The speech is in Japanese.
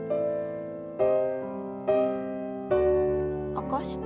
起こして。